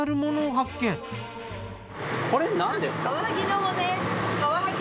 これなんですか？